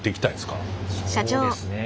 そうですね。